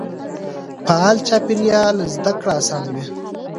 فعال چاپېريال زده کړه اسانوي.